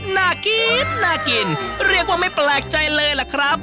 น่ากินน่ากินเรียกว่าไม่แปลกใจเลยล่ะครับ